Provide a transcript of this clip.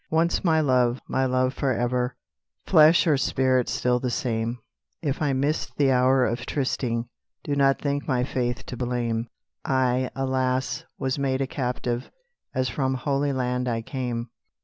"Once my love, my love forever, Flesh or spirit still the same; If I missed the hour of trysting, Do not think my faith to blame. I, alas, was made a captive, As from Holy Land I came.